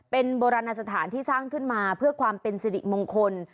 เป็นโบราณสถานที่สร้างขึ้นมาเพื่อความเป็นสิริมงคล